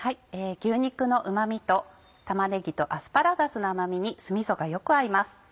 牛肉のうま味と玉ねぎとアスパラガスの甘味に酢みそがよく合います。